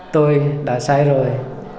tôi đã sai rồi